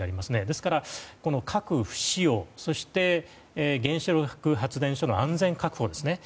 ですから、核不使用そして原子力発電所の安全確保ですよね。